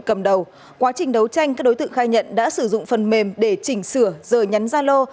cầm đầu quá trình đấu tranh các đối tượng khai nhận đã sử dụng phần mềm để chỉnh sửa giờ nhắn zalo